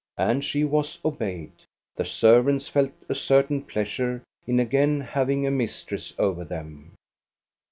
And she was obeyed. The servants felt a certain pleasure in again having a mistress over them.